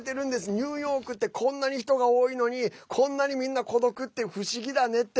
ニューヨークってこんなに人が多いのにこんなにみんな孤独って不思議だねって。